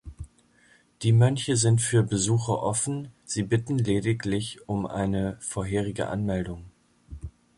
Die Mönche sind für Besuche offen, sie bitten lediglich um eine vorherige Anmeldung.